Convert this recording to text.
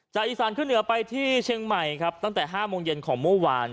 อีสานขึ้นเหนือไปที่เชียงใหม่ครับตั้งแต่๕โมงเย็นของเมื่อวาน